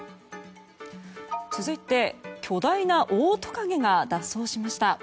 続いて、巨大なオオトカゲが逃走しました。